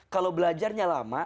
kalau belajarnya lama